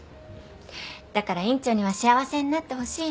だから院長には幸せになってほしいなって。